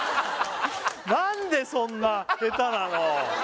何でそんな下手なの？